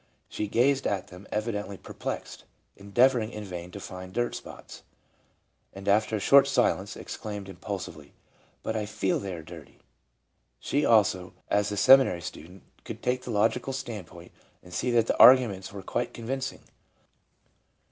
She gazed at them evidently per plexed, endeavoring in vain to find dirt spots, and after a short silence, exclaimed impulsively :" But I feel they are dirty.' 11 She also, as the seminary student, could take the logical standpoint, and see that the arguments were quite con vincing.